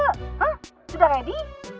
hah sudah ready